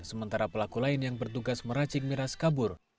sementara pelaku lain yang bertugas meracik miras kabur